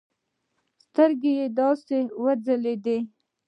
سترگې يې داسې وځلېدې.